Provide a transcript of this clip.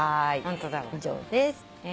以上です。